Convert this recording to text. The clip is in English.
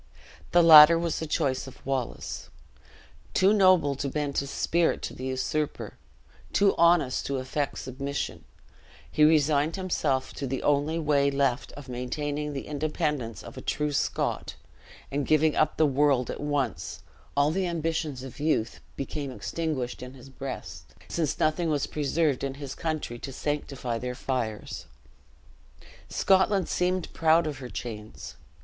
The latter was the choice of Wallace. Too noble to bend his spirit to the usurper, too honest to affect submission, he resigned himself to the only way left of maintaining the independence of a true Scot; and giving up the world at once, all the ambitions of youth became extinguished in his breast, since nothing was preserved in his country to sanctify their fires. Scotland seemed proud of her chains.